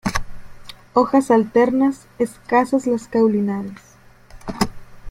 Hojas alternas, escasas las caulinares.